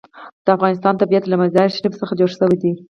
د افغانستان طبیعت له مزارشریف څخه جوړ شوی دی.